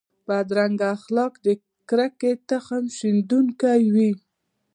بدرنګه اخلاق د کرکې تخم شندونکي وي